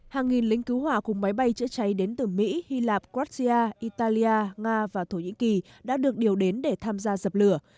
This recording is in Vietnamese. hàng nghìn lính cứu hỏa cùng máy bay chữa cháy đến từ mỹ hy lạp krasia italia nga và thổ nhĩ kỳ đã được điều đến để tham gia dập lửa